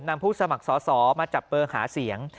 ผู้สมัครสอสอมาจับเบอร์หาเสียง